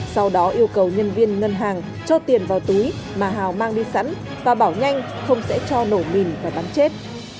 sau đó yêu cầu nhân viên ngân hàng cho tiền vào túi mà hào mang đi sẵn và bảo nhanh không sẽ cho nổ mìn và bắn chết